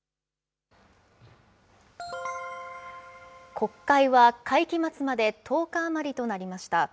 国会は会期末まで１０日余りとなりました。